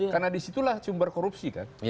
karena disitulah sumber korupsi kan